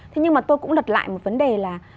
thế nhưng mà tôi cũng lật lại một vấn đề là